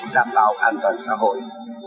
đảm bảo an toàn xã hội